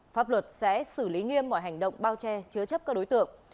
pháp luật sẽ xử lý nghiêm mọi hành động bao che chứa chấp các đối tượng